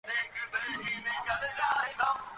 তুমি জানো তুমি কে?